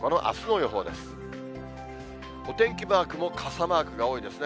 お天気マークも傘マークが多いですね。